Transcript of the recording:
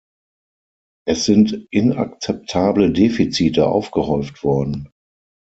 Es sind inakzeptable Defizite aufgehäuft worden.